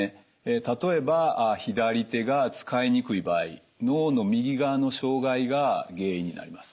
例えば左手が使いにくい場合脳の右側の障害が原因になります。